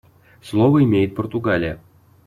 Слово имеет Португалия.